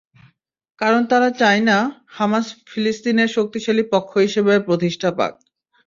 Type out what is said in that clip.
কারণ তারা চায় না, হামাস ফিলিস্তিনে শক্তিশালী পক্ষ হিসেবে প্রতিষ্ঠা পাক।